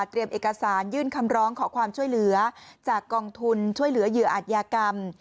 เอกสารยื่นคำร้องขอความช่วยเหลือจากกองทุนช่วยเหลือเหยื่ออาจยากรรม